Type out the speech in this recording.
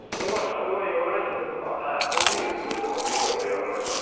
これは言わないでくれとかこういうふうに言ってくれとかっていうのは俺やらないから。